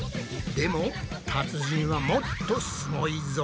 でも達人はもっとすごいぞ。